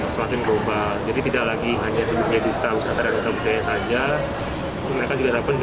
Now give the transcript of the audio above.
semakin berubah jadi tidak lagi hanya sebagai duta wisata dan duta budaya saja mereka juga dapat